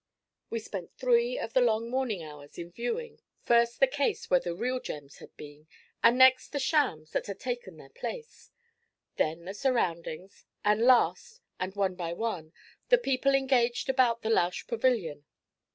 We spent three of the long morning hours in viewing, first the case where the real gems had been, and next the shams that had taken their place; then the surroundings, and last, and one by one, the people engaged about the Lausch pavilion.